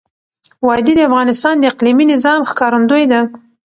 وادي د افغانستان د اقلیمي نظام ښکارندوی ده.